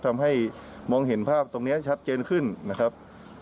ทำให้มองเห็นภาพตรงนี้ชัดเจนขึ้นนะครับ